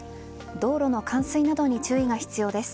道路の冠水などに注意が必要です。